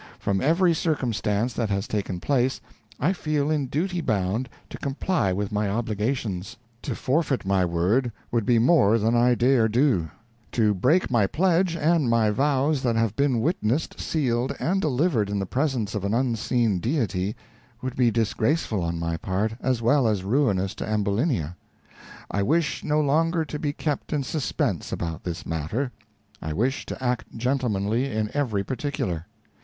From every circumstance that has taken place, I feel in duty bound to comply with my obligations; to forfeit my word would be more than I dare do; to break my pledge, and my vows that have been witnessed, sealed, and delivered in the presence of an unseen Deity, would be disgraceful on my part, as well as ruinous to Ambulinia. I wish no longer to be kept in suspense about this matter. I wish to act gentlemanly in every particular.